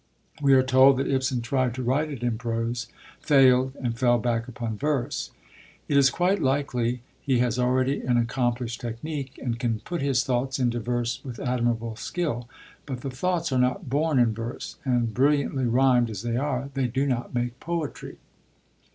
We are told that Ibsen tried to write it in prose, failed, and fell back upon verse. It is quite likely; he has already an accomplished technique, and can put his thoughts into verse with admirable skill. But the thoughts are not born in verse, and, brilliantly rhymed as they are, they do not make poetry.